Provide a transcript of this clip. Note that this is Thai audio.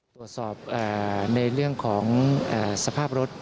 ตรวจสอบในเรื่องของสภาพรถ